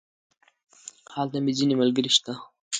هلته مې ځينې ملګري شته.